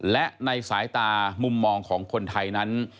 และในสายตามุมมองของคนไทยนั้น